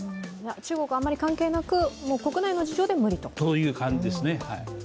中国、あまり関係なく国内の事情で無理と。という感じですね。